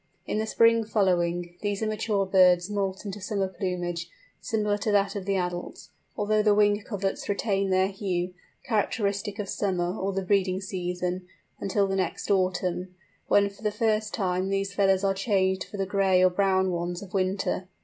In the spring following, these immature birds moult into summer plumage, similar to that of the adults, although the wing coverts retain their hue, characteristic of summer or the breeding season, until the next autumn, when for the first time these feathers are changed for the gray or brown ones of winter.